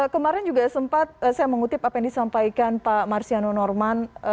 kemarin juga sempat saya mengutip apa yang disampaikan pak marsiano norman